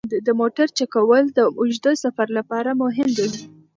د موټر چک کول د اوږده سفر لپاره مهم دي.